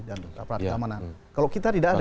jantung aparat keamanan kalau kita tidak ada